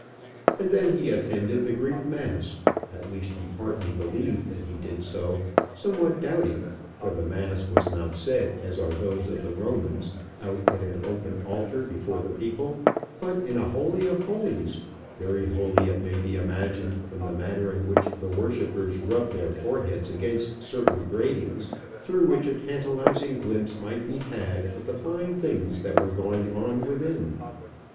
And then he attended the Greek mass at least, he partly believed that he did so, somewhat doubting, for the mass was not said as are those of the Romans, out at an open altar before the people, but in a holy of holies; very holy, it may be imagined, from the manner in which the worshippers rubbed their foreheads against certain gratings, through which a tantalizing glimpse might be had of the fine things that were going on within.